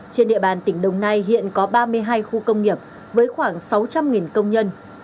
trên địa bàn tỉnh đồng nai hiện có ba mươi hai khu công nghiệp với khoảng sáu trăm linh công nhân